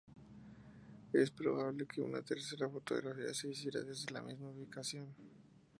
Es probable que una tercera fotografía se hiciera desde la misma ubicación.